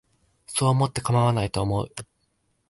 そう思ってかまわないと思う